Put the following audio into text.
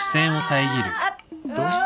どうした？